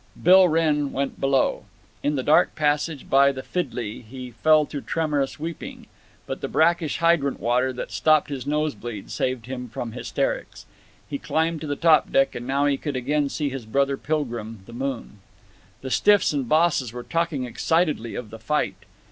Bill Wrenn went below. In the dark passage by the fidley he fell to tremorous weeping. But the brackish hydrant water that stopped his nose bleed saved him from hysterics. He climbed to the top deck, and now he could again see his brother pilgrim, the moon. The stiffs and bosses were talking excitedly of the fight.